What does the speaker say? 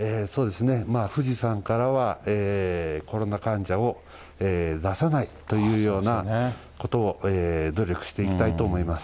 富士山からはコロナ患者を出さないというようなことを努力していきたいと思います。